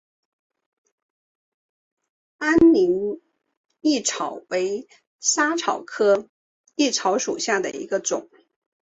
安宁薹草为莎草科薹草属下的一个种。